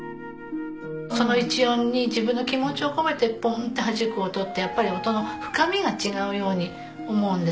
その一音に自分の気持ちを込めてポンってはじく音ってやっぱり音の深みが違うように思うんですね。